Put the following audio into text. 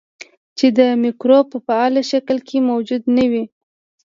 چې د مکروب په فعال شکل کې موجود نه وي.